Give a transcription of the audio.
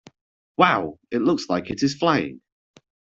Wow! It looks like it is flying!